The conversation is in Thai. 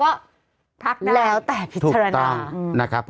ต้องนำกลัวได้แล้วแต่พิจารณา